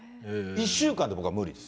１週間で僕は無理です。